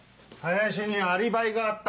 林にアリバイがあった。